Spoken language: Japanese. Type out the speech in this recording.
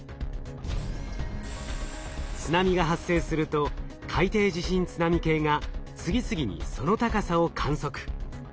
津波が発生すると海底地震津波計が次々にその高さを観測。